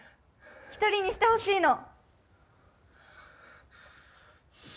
１人にしてほしいの！！